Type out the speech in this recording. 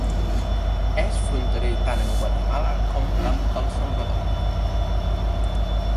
És fronterer tant amb Guatemala com amb El Salvador.